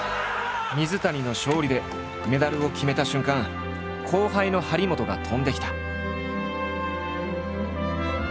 水谷の勝利でメダルを決めた瞬間後輩の張本が飛んできた。